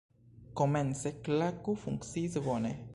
Komence, Klaku funkciis bone.